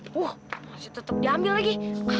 wah masih tetap diambil lagi